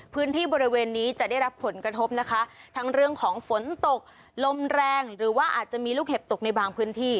พื้นที่บริเวณนี้จะได้รับผลกระทบนะคะทั้งเรื่องของฝนตกลมแรงหรือว่าอาจจะมีลูกเห็บตกในบางพื้นที่